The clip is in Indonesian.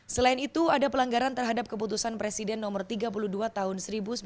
selain itu ada pelanggaran terhadap keputusan presiden nomor tiga puluh dua tahun seribu sembilan ratus sembilan puluh